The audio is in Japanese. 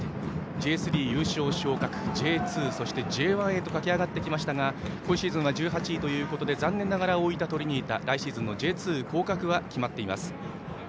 Ｊ２、Ｊ１へと駆け上がってきましたが今シーズンは１８位ということで残念ながら大分トリニータ来シーズンのＪ２降格は決まっています。